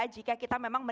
ini bukan dua dua rusaknya